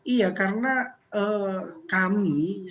iya karena kami sebenarnya kami bisa mendorong administrasi